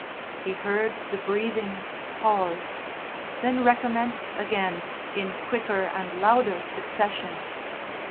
He heard the breathings pause, then recommence again in quicker and louder succession.